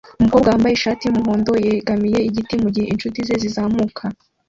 Umukobwa wambaye ishati yumuhondo yegamiye igiti mugihe inshuti ze zizamuka